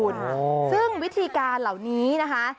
ซึ่งวิธีการเหล่านี้นะคะ